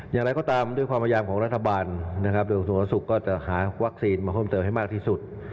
อย่างไรก็ตามด้วยความพยายามของรัฐบาลนะครับโดยกระทรวงสุขก็จะหาวัคซีนมาเพิ่มเติมให้มากที่สุด